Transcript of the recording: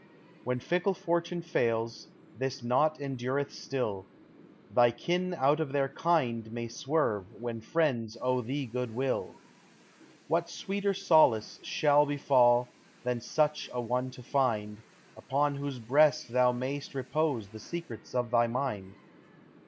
When fickle fortune fails, this knot endureth still; Thy kin out of their kind may swerve, when friends owe thee good will. What sweeter solace shall befall, than [such a] one to find Upon whose breast thou may'st repose the se crets of thv mind?